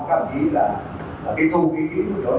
có lòng ý là cái thu cái ý của đội phòng